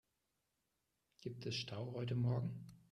Gibt es Stau heute morgen?